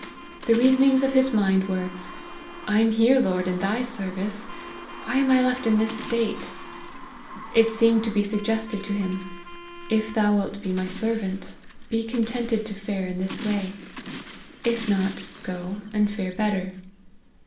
The reasonings of his mind were, I am here, Lord, in thy service ; why am I left in this state ? It seemed to be suggested to him, If thou wilt be my servant, be contented to fare in this way ; if not, go, and fare better.